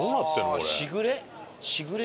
しぐれ？